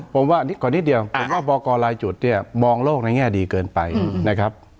ผมว่าก่อนนิดเดียวบอกรรายจุดมองโลกในแง่ดีเกินไปนะครับ